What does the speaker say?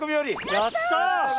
やったー！